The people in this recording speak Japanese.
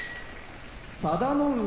佐田の海